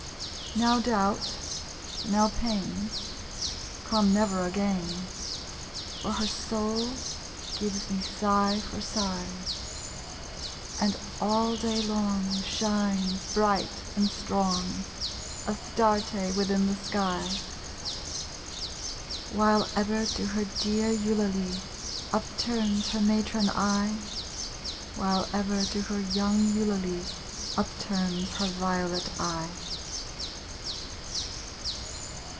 Now Doubt now Pain Come never again, For her soul gives me sigh for sigh, And all day long Shines, bright and strong, Astarté within the sky, While ever to her dear Eulalie upturns her matron eye While ever to her young Eulalie upturns her violet eye.